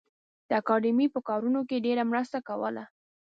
د اکاډمۍ په کارونو کې ډېره مرسته کوله